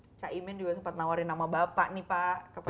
pak iman juga sempat menawarkan nama bapak nih pak ke prabowo